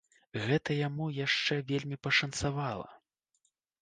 Гэта яму яшчэ вельмі пашанцавала!